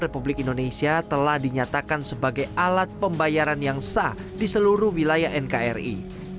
republik indonesia telah dinyatakan sebagai alat pembayaran yang sah di seluruh wilayah nkri